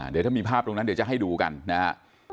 เดี๋ยวถ้ามีภาพตรงนั้นเดี๋ยวจะให้ดูกันนะครับ